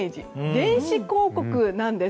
電子公告なんです。